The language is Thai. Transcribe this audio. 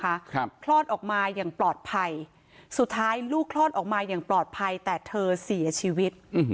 ครับคลอดออกมาอย่างปลอดภัยสุดท้ายลูกคลอดออกมาอย่างปลอดภัยแต่เธอเสียชีวิตอืม